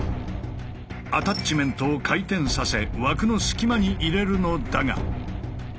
アタッチメントを回転させ枠の隙間に入れるのだが。